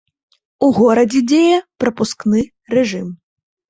У горадзе дзее прапускны рэжым.